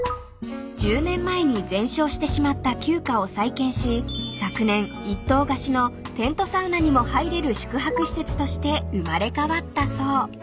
［１０年前に全焼してしまった旧家を再建し昨年一棟貸しのテントサウナにも入れる宿泊施設として生まれ変わったそう］へ。